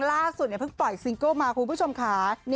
ล่าสุดเพิ่งปล่อยซิงเกิ้ลมาคุณผู้ชมค่ะ